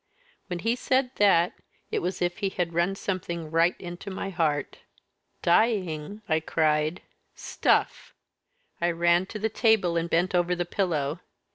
When he said that, it was as if he had run something right into my heart. 'Dying,' I cried, 'stuff!' I ran to the table and bent over the pillow.